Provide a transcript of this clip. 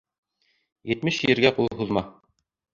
Етмеш ергә ҡул һуҙма.